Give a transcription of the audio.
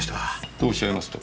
とおっしゃいますと？